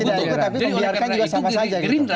meskipun tidak benar tapi pembiarkan juga sama saja